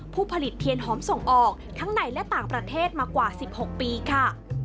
ผู้ผลิตเทียนหอมส่งออกทั้งในและต่างประเทศมากว่า๑๖ปีค่ะ